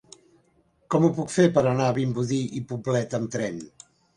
Com ho puc fer per anar a Vimbodí i Poblet amb tren?